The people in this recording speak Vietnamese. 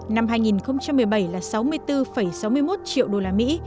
năm hai nghìn một mươi bảy là sáu mươi bốn sáu mươi một triệu đô la mỹ